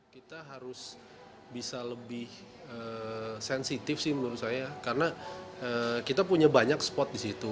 kita harus bisa lebih sensitif sih menurut saya karena kita punya banyak spot di situ